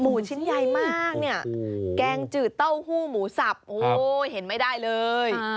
ชิ้นใหญ่มากเนี่ยแกงจืดเต้าหู้หมูสับโอ้เห็นไม่ได้เลย